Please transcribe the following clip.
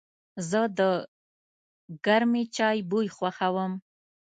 زه د گرمې چای بوی خوښوم.